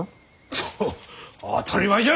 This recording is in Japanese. っと当たり前じゃ！